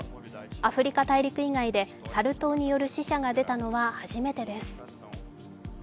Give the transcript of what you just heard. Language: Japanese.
アフリカ大陸以外でサル痘による死者が出たのは初めてです。